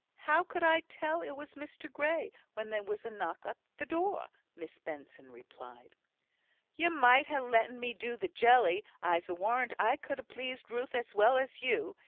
How could I tell it was Mr Grey when there was a knock at the door?" Miss Benson replied. "You might ha' letten me do the jelly; I'se warrant I could ha' pleased Ruth as well as you.